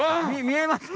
見えます？